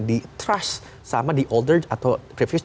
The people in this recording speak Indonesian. dipercayai oleh generasi tua atau